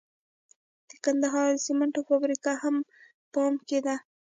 د کندهار د سمنټو فابریکه هم په پام کې ده.